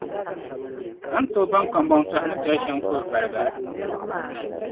A ni tooi baŋ kambɔntɔha ni doli shɛm n-kur’ valiga?